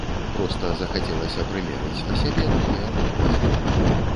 Проста захацелася прымерыць на сябе новыя вобразы.